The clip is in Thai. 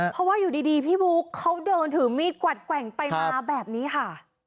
เพราะว่าอยู่ดีพี่บุ๊คเขาเดินถือมีดกวัดแกว่งไปมาแบบนี้ค่ะ